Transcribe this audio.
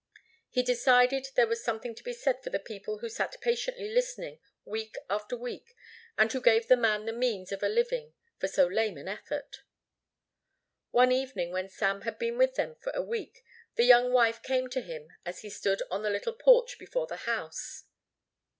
He decided there was something to be said for the people who sat patiently listening week after week and who gave the man the means of a living for so lame an effort. One evening when Sam had been with them for a week the young wife came to him as he stood on the little porch before the house.